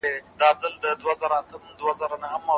هېري له ابا څه دي لنډۍ د ملالیو